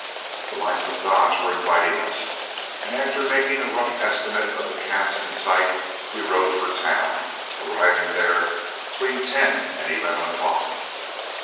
The lights of Dodge were inviting us, and after making a rough estimate of the camps in sight, we rode for town, arriving there between ten and eleven o'clock.